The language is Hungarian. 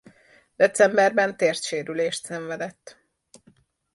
Decemberben térdsérülést szenvedett.